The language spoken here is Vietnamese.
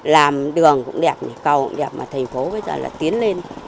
làm đường cũng đẹp cầu đẹp mà thành phố bây giờ là tiến lên